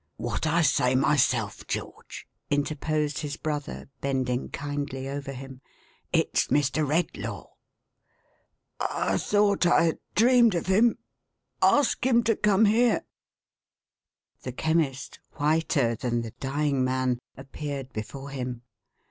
" "What I say myself, George," interposed his brother, bending kindly over him. " It's Mr. Redlaw." 488 THE HAUNTED MAN. " I thought I had dreamed of him. Ask him to come here/"1 The Chemist, whiter than the dying man, appeared before him.